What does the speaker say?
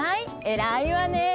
えらいわね！